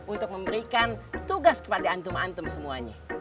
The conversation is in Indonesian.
untuk memberikan tugas kepada antum antum semuanya